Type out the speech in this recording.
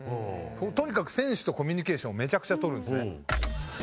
とにかく選手とコミュニケーションをめちゃくちゃ取るんですね。